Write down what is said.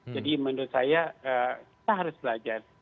jadi menurut saya kita harus belajar